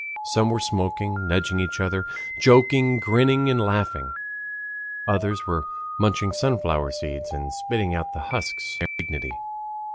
Some were smoking, nudging each other, joking, grinning, and laughing, others were munching sunflower seeds and spitting out the husks with an air of dignity.